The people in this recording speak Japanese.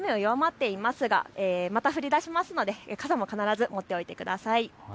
今、雨は弱まっていますがまた降りだしますので傘も必ず持っておいてください。